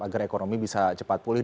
agar ekonomi bisa cepat pulih